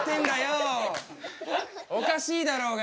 おかしいだろうがよ。